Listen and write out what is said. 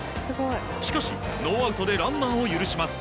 しかし、ノーアウトでランナーを許します。